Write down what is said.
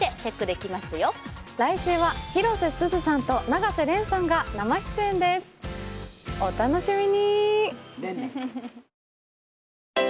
来週は広瀬すずさんと永瀬廉さんが生出演ですお楽しみに！